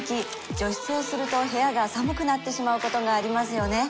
除湿をすると部屋が寒くなってしまうことがありますよね